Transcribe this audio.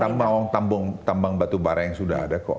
tambang tambang batubara yang sudah ada kok